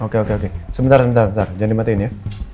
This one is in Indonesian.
oke oke oke sebentar sebentar jangan dimatain ya